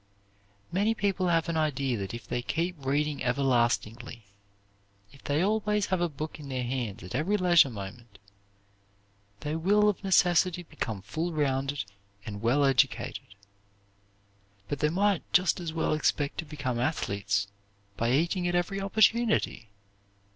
Many people have an idea that if they keep reading everlastingly, if they always have a book in their hands at every leisure moment, they will, of necessity, become full rounded and well educated. But they might just as well expect to become athletes by eating at every opportunity.